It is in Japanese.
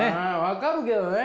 分かるけどね。